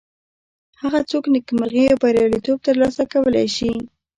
هغه څوک نیکمرغي او بریالیتوب تر لاسه کولی شي.